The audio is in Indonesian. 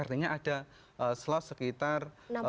artinya ada slot sekitar